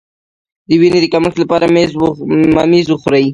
د وینې د کمښت لپاره ممیز وخورئ